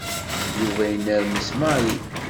Yuba inermes Mary.